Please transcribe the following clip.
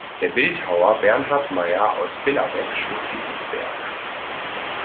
Der Bildhauer Bernhard Meyer aus Billerbeck schuf dieses Werk.